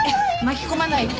巻き込まないで。